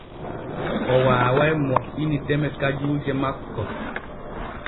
O waaway moƴƴini deme kajuuje makko.